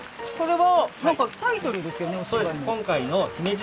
これは？